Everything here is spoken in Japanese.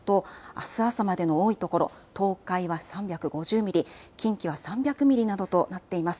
あす朝までの多いところで東海は３５０ミリ、近畿は３００ミリなどとなっています。